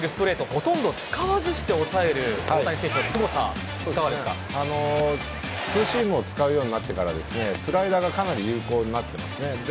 ほとんど使わずして抑える大谷選手のすごさツーシームを使うようになってからスライダーがかなり有効になっています。